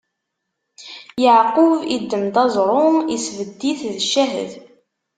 Yeɛqub iddem-d aẓru, isbedd-it d ccahed.